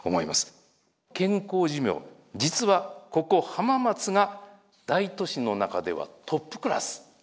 実はここ浜松が大都市の中ではトップクラス。